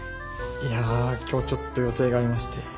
いや今日ちょっと予定がありまして。